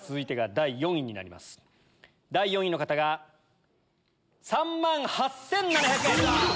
第４位の方が３万８７００円！